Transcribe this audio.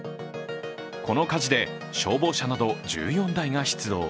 この火事で消防車など１４台が出動。